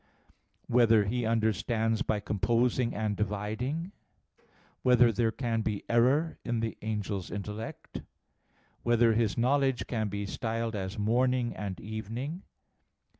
(4) Whether he understands by composing and dividing? (5) Whether there can be error in the angel's intellect? (6) Whether his knowledge can be styled as morning and evening?